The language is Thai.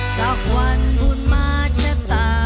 สักวันบุญมาชะตา